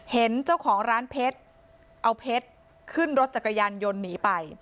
เห็นเจ้าของร้านเพชรเอาเพชรขึ้นรถจักรยานยนต์หนีไป